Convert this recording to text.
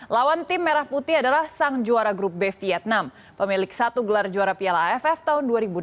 lawan tim merah putih adalah sang juara grup b vietnam pemilik satu gelar juara piala aff tahun dua ribu delapan belas